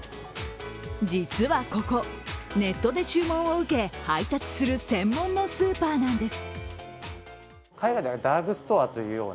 実はここ、ネットで注文を受け配達する専門のスーパーなんです。